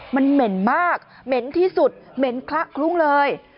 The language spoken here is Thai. มันเหม็นมากเหม็นที่สุดเหม็นคละคลุ้งเลย